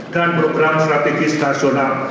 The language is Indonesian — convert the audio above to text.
dan program strategis nasional